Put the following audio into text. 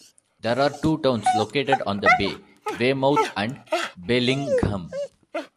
There are two towns located on the bay: Weymouth and Bellingham.